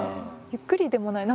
ゆっくりでもない。